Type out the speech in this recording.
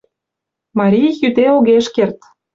Марий йӱде огеш керт